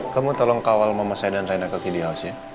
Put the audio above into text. kamu tolong kawal mama saya dan rena ke kiddy house ya